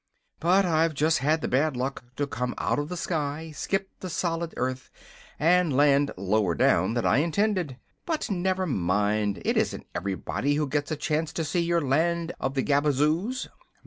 But I've just had the bad luck to come out of the sky, skip the solid earth, and land lower down than I intended. But never mind. It isn't everybody who gets a chance to see your Land of the Gabazoos."